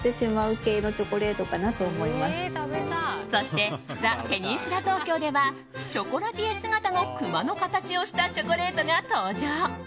そしてザ・ペニンシュラ東京ではショコラティエ姿のクマの形をしたチョコレートが登場。